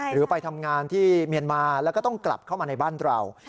หรือไปทำงานที่เมียนมาแล้วก็ต้องกลับเข้ามาในบ้านเรา